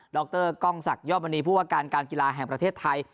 รกล้องศักดิยอดมณีผู้ว่าการการกีฬาแห่งประเทศไทย